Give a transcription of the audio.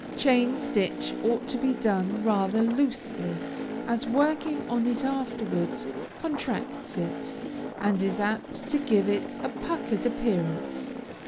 Chain stitch ought to be done rather loosely, as working on it afterwards contracts it, and is apt to give it a puckered appearance.